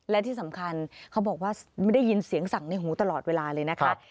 และที่สำคัญเขาบอกว่าไม่ได้ยินเสียงสั่งในหูตลอดเวลาเลยนะคะ